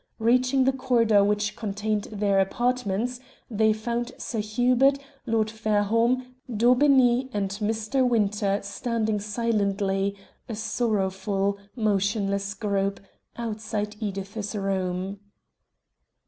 Reaching the corridor which contained their apartments they found Sir Hubert, Lord Fairholme, Daubeney, and Mr. Winter standing silently, a sorrowful, motionless group, outside Edith's room.